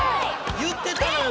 言ってたのよ